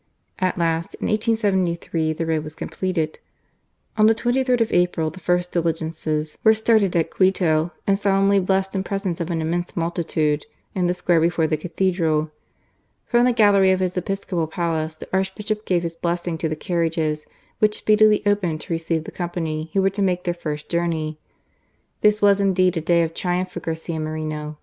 At last, in 1873, the road was completed, ] On the 33rd of April the first dihgences were started at Quito, and solemnly blessed in presence of an immense multitude, in the square before the Cathedral. From the gallery of his episcop^ palace the Archbishop gave his blessing to the carriages, which speedily opened to receive the company who wece to make their first jouxiuy. This was indeed a day of triomph ka Garcaa Horeno